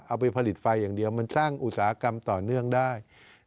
เอาไปผลิตไฟอย่างเดียวมันสร้างอุตสาหกรรมต่อเนื่องได้